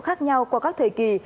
khác nhau qua các thời kỳ